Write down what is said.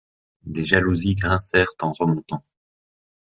Des jalousies grincèrent en remontant.